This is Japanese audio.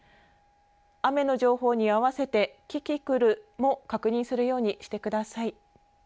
雨の情報に合わせて、キキクルも確認するようにしてください。